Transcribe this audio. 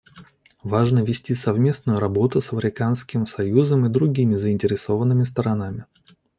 Важно вести совместную работу с Африканским союзом и другими заинтересованными сторонами.